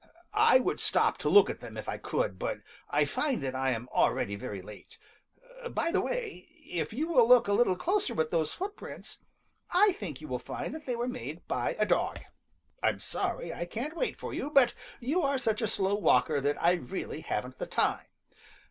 I would stop to look at them if I could, but I find that I am already very late. By the way, if you will look a little closer at those footprints, I think you will find that they were made by a dog. I'm sorry I can't wait for you, but you are such a slow walker that I really haven't the time.